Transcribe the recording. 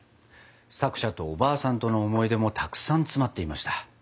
作者とおばあさんとの思い出もたくさん詰まっていました。